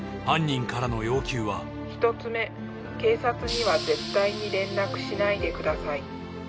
犯人からの要求は１つ目警察には絶対に連絡しないでください